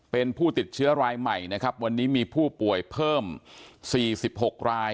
เป็นผู้ติดเชื้อรายใหม่นะครับวันนี้มีผู้ป่วยเพิ่ม๔๖ราย